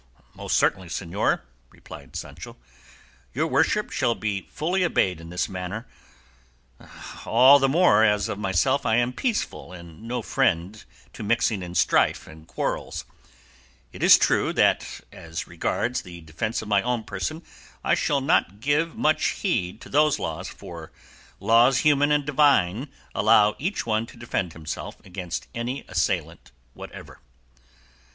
"Most certainly, señor," replied Sancho, "your worship shall be fully obeyed in this matter; all the more as of myself I am peaceful and no friend to mixing in strife and quarrels: it is true that as regards the defence of my own person I shall not give much heed to those laws, for laws human and divine allow each one to defend himself against any assailant whatever."